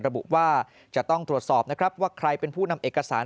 ระบุว่าจะต้องตรวจสอบนะครับว่าใครเป็นผู้นำเอกสาร